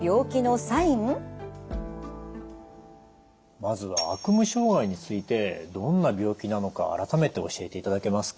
まずは悪夢障害についてどんな病気なのか改めて教えていただけますか？